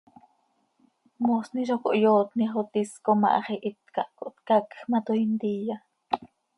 Moosni zo cohyootni xo tis com ah hax ihít cah cohtcacj ma, toii ntiya.